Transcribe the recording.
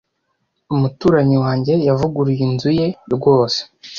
Umuturanyi wanjye yavuguruye inzu ye rwose.